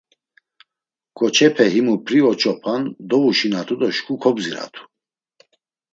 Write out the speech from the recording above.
Ǩoçepe himu p̌ri oç̌opan, dovuşinatu do şǩu kobziratu.